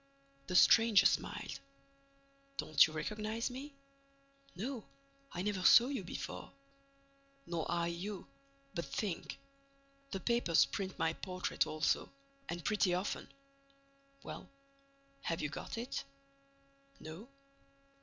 The stranger smiled: "Don't you recognize me?" "No, I never saw you before." "Nor I you. But think. The papers print my portrait also—and pretty often. Well, have you got it?" "No."